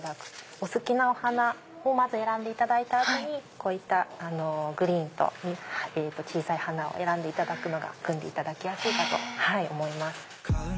お好きなお花をまず選んでいただいた後にこういったグリーンと小さい花を選んでいただくのが組んでいただきやすいかと思います。